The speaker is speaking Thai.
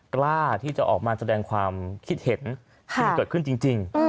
กล้าที่จะออกมาแสดงความคิดเห็นที่มันเกิดขึ้นจริง